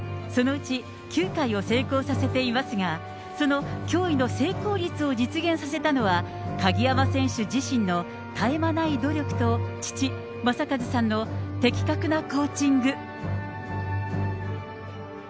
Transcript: そのうち９回を成功させていますが、その驚異の成功率を実現させたのは、鍵山選手自身の絶え間ない努力と、父、正和さんの的確なコーチング。